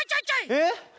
えっ？